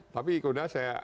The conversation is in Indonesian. tapi kemudian saya